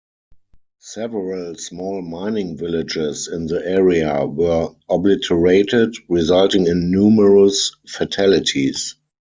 Several small mining villages in the area were obliterated, resulting in numerous fatalities.